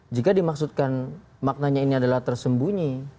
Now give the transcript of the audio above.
jika dimaksudkan maknanya ini adalah tersembunyi